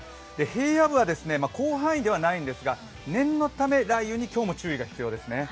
平野部は広範囲ではないんですが念のため雷雨に今日も注意が必要ですね。